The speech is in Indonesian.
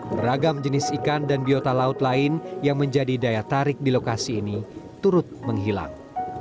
beragam jenis ikan dan biota laut lain yang menjadi daya tarik di lokasi ini turut menghilang